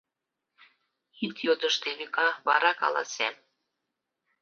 Ит йодышт, Эвика, вара каласем.